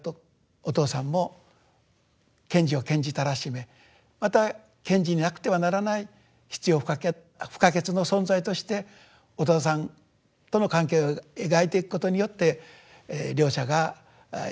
お父さんも賢治を賢治たらしめまた賢治になくてはならない必要不可欠の存在としてお父さんとの関係を描いていくことによって両者が一乗の世界に生きると。